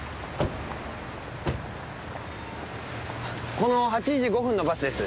この８時５分のバスです。